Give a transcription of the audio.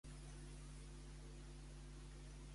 Gairebé anava a donar-li a beure essència d'ombra nocturna.